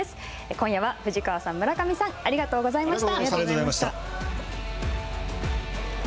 今夜は、藤川さん、村上さん、ありがとうございました。